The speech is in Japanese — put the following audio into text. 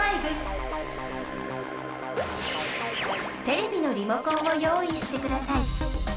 テレビのリモコンを用意してください。